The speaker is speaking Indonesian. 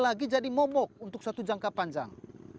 tidak lagi jadi mobok untuk satu jangka panjang